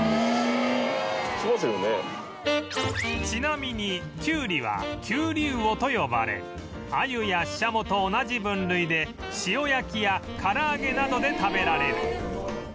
ちなみにきゅうりは「きゅうりうお」と呼ばれアユやシシャモと同じ分類で塩焼きや唐揚げなどで食べられる